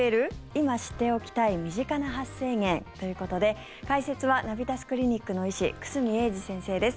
今知っておきたい身近な発生源ということで解説はナビタスクリニックの医師久住英二先生です。